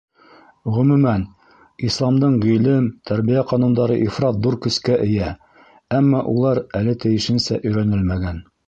Ғөмүмән, Исламдың ғилем, тәрбиә ҡанундары ифрат ҙур көскә эйә, әммә улар әле тейешенсә өйрәнелмәгән.